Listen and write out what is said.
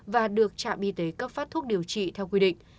và được trạm y tế cấp phát thuốc điều trị theo quy định